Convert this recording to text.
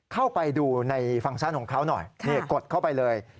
เข้าไปดูในฟังก์ชั่นของเขาหน่อยนี่กดเข้าไปเลย